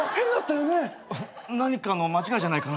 何かの間違いじゃないかな。